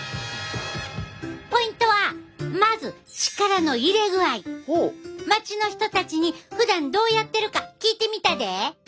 ポイントはまず街の人たちにふだんどうやってるか聞いてみたで！